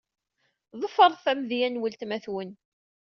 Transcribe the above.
Ḍefret amedya n weltma-twen.